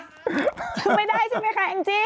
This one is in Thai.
ไม่ได้ใช่ไหมคะอังจิ